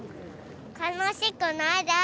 楽しくないです。